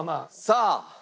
さあ。